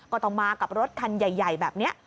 ก็ต้องมากับรถคันใหญ่แบบนี้